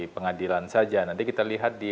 pengadilan saja nanti kita lihat di